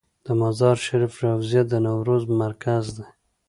د مزار شریف روضه د نوروز مرکز دی